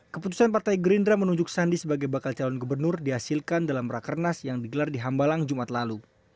keputusan partai gerindra menunjuk sandi sebagai bakal calon gubernur dihasilkan dalam rakernas yang digelar di hambalang jumat lalu